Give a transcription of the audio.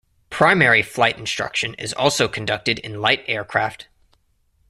Primary flight instruction is also conducted in light aircraft.